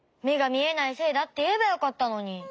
めがみえないせいだっていえばよかったのに。